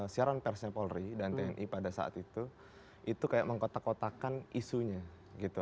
siaran persnya polri dan tni pada saat itu itu kayak mengkotak kotakan isunya gitu